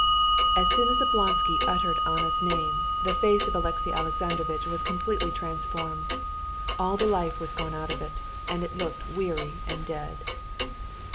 As soon as Oblonsky uttered Anna's name, the face of Alexey Alexandrovitch was completely transformed; all the life was gone out of it, and it looked weary and dead.